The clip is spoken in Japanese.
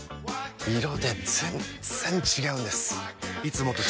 色で全然違うんです！